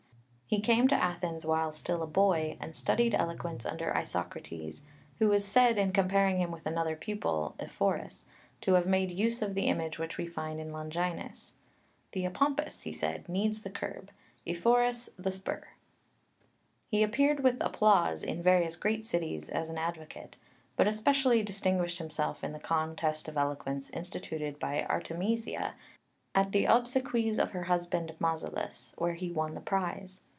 He came to Athens while still a boy, and studied eloquence under Isokrates, who is said, in comparing him with another pupil, Ephorus, to have made use of the image which we find in Longinus, c. ii. "Theopompus," he said, "needs the curb, Ephorus the spur" (Suidas, quoted by Jahn ad v.) He appeared with applause in various great cities as an advocate, but especially distinguished himself in the contest of eloquence instituted by Artemisia at the obsequies of her husband Mausolus, where he won the prize.